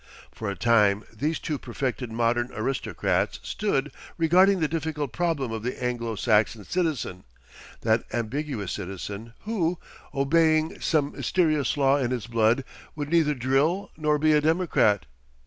For a time these two perfected modern aristocrats stood regarding the difficult problem of the Anglo Saxon citizen, that ambiguous citizen who, obeying some mysterious law in his blood, would neither drill nor be a democrat.